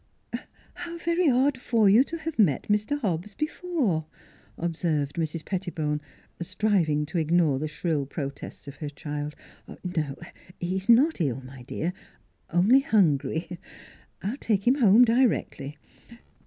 " How very odd for you to have met Mr. Hobbs before !" observed Mrs. Pettibone, striv ing to ignore the shrill protests of her child. ..." No; he is not ill, my dear, only hungry. I will take him home directly.